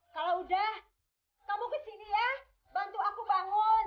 kalau udah kamu kesini ya bantu aku bangun